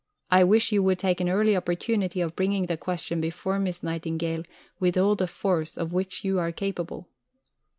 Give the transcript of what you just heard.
I wish you would take an early opportunity of bringing the question before Miss Nightingale with all the force of which you are capable."